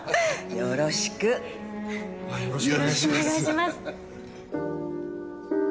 よろしくお願いします。